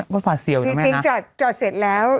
ก็ฝาดเสี่ยวอยู่ไหมนะจริงจริงจอดเจอดเสร็จแล้ว